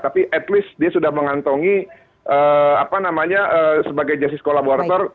tapi at least dia sudah mengantongi apa namanya sebagai justice collaborator